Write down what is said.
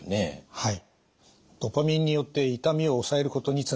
はい。